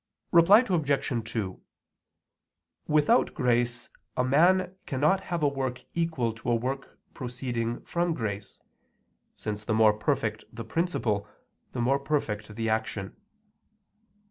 Reply Obj. 2: Without grace a man cannot have a work equal to a work proceeding from grace, since the more perfect the principle, the more perfect the action.